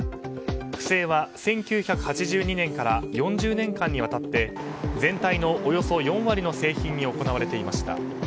不正は、１９８２年から４０年間にわたって全体のおよそ４割の製品に行われていました。